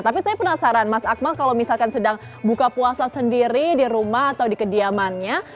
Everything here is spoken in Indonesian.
tapi saya penasaran mas akmal kalau misalkan sedang buka puasa sendiri di rumah atau di kediamannya